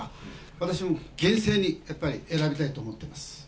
私も厳選にやっぱり選びたいと思ってます。